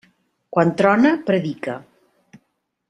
Quan trona, predica.